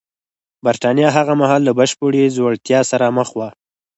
برېټانیا هغه مهال له بشپړې ځوړتیا سره مخ وه